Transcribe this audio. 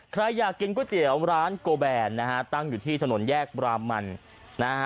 ใครอยากกินก๋วยเตี๋ยวร้านโกแบนนะฮะตั้งอยู่ที่ถนนแยกบรามันนะฮะ